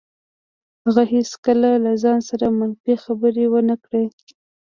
هغه هېڅکله له ځان سره منفي خبرې ونه کړې.